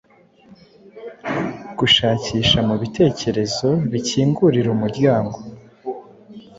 Gushakisha mu bitekerezo bikingurira umuryango